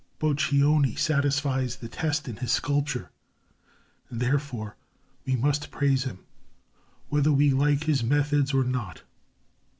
Boccioni satisfies the test in his sculpture, and therefore we must praise him, whether we like his methods or not.